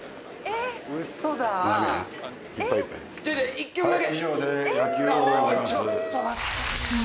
１曲だけ！